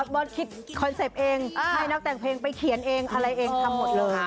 เบิร์ตคิดคอนเซ็ปต์เองให้นักแต่งเพลงไปเขียนเองอะไรเองทำหมดเลย